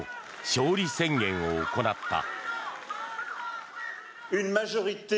勝利宣言を行った。